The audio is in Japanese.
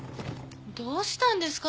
どうしたんですか？